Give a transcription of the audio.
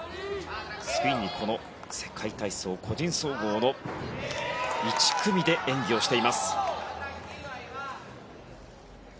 ついにこの世界体操個人総合の１組で演技をしています。